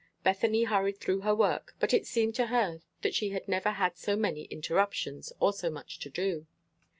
Bethany hurried through her work, but it seemed to her she had never had so many interruptions, or so much to do.